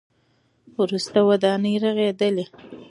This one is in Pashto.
وروسته ودانۍ رغېدلې.